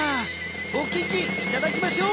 おききいただきましょう。